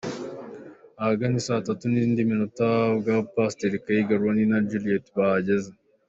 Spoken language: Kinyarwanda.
Ahagana isaa tatu n'indi minota ni bwo Pastor Kaiga, Ronnie na Juliet bahageze.